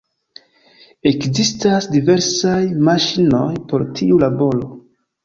Ekzistas diversaj maŝinoj por tiu laboro.